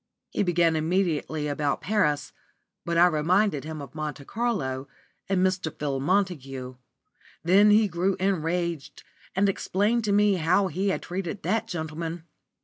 He began immediately about Paris, but I reminded him of Monte Carlo and Mr. Phil Montague. Then he grew enraged, and explained to me how he had treated that gentleman.